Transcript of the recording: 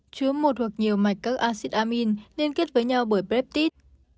chứa một hoặc nhiều mạch các acid amine liên kết với nhau bởi peptide